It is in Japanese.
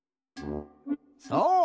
そう！